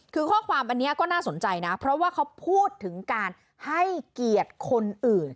คือข้อความอันนี้ก็น่าสนใจนะเพราะว่าเขาพูดถึงการให้เกียรติคนอื่น